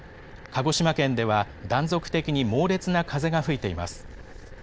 鹿児島県では、断続的に猛烈な風が吹いています。